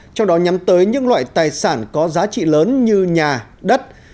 trong đó nhắm tới những loại tài sản có giá trị lớn như nhà đất